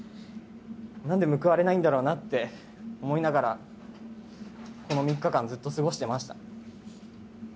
なんで報われないんだろうなって思いながら、この３日間ずっと過ごしてました。